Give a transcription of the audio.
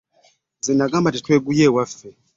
Nze nabagamba ffe tetweguya ewaffe.